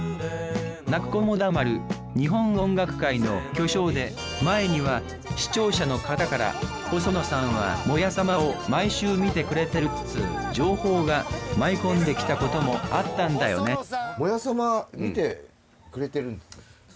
泣く子も黙る日本音楽界の巨匠で前には視聴者の方から細野さんは「モヤさま」を毎週観てくれているっつう情報が舞い込んできたこともあったんだよねえっ！？